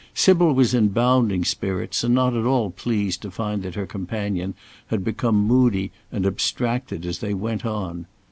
Sybil was in bounding spirits and not at all pleased to find that her companion became moody and abstracted as they went on.